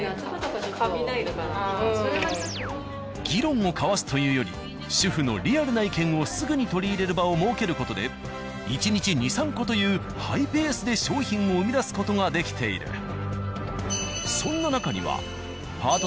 議論を交わすというより主婦のリアルな意見をすぐに取り入れる場を設ける事で１日２３個というハイペースで商品を生み出す事ができている。